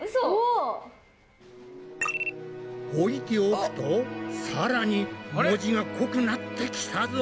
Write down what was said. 置いておくとさらに文字が濃くなってきたぞ。